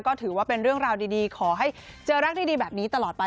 ก็ถือว่าเป็นเรื่องราวดีขอให้เจอรักดีแบบนี้ตลอดไป